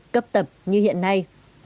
cấp tập như hiện nay